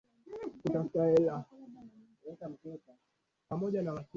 mia tisa themanini na sita alifanya kazi ya ualimu huko Lindi na tangu mwaka